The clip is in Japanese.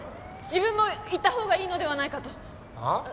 自分も行ったほうがいいのではないかと。はあ？